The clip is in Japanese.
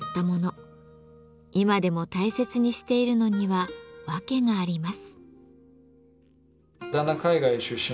今でも大切にしているのには訳があります。